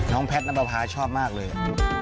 น้องแพทนับปะพาชอบมากเลย